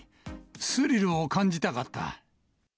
スリルを感じたかった。